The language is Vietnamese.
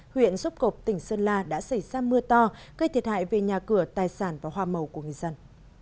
huyện sốp cộp tỉnh sơn la đã xảy ra mưa to gây thiệt hại về nhà cửa tài sản và hoa màu của người dân